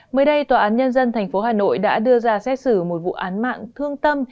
mới đây tòa án nhân dân tp hà nội đã đưa ra xét xử một vụ án mạng thương tâm